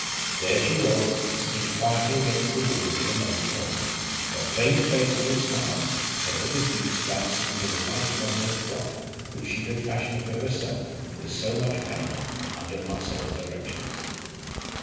There she was, sitting quietly against the wall in a remote corner, her plain face all smiles, her little feet dancing under the white muslin frock which she had fashioned for herself with so much pain under Marcella's directions.